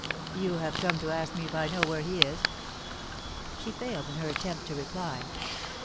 "You have come to ask me if I know where he is?" She failed in her attempt to reply.